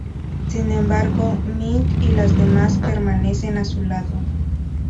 Sin embargo, Mint y las demás permanecen a su lado.